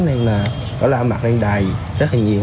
nên là cỏ la mặt đang đài rất là nhiều